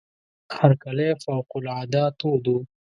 هرکلی فوق العاده تود وو.